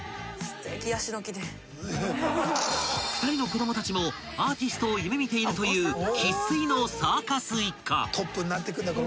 ［２人の子供たちもアーティストを夢見ているという生粋の］